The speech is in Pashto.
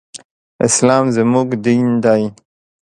اسلام زموږ دين دی.